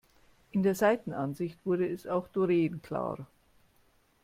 In der Seitenansicht wurde es auch Doreen klar.